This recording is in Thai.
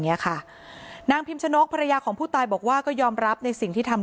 เนี้ยค่ะนางพิมชนกภรรยาของผู้ตายบอกว่าก็ยอมรับในสิ่งที่ทำ